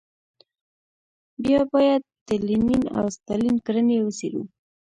بیا باید د لینین او ستالین کړنې وڅېړو.